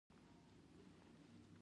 آزاد تجارت مهم دی ځکه چې نفرت کموي.